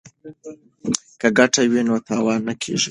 که ګټه وي نو تاوان نه کیږي.